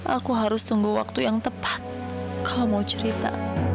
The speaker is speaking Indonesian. aku harus tunggu waktu yang tepat kau mau cerita